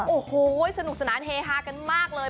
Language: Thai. โอ้โหสนุกสนานเฮฮากันมากเลย